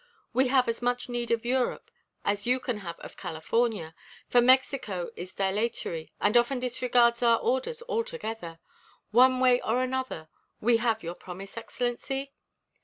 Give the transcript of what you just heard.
We have as much need of Europe as you can have of California, for Mexico is dilatory and often disregards our orders altogether. One way or another we have your promise, Excellency?"